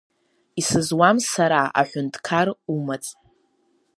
Исызуам сара, аҳәынҭқар, умаҵ.